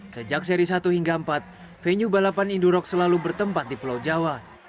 sejak seri satu hingga empat venue balapan indurox selalu bertempat di pulau jawa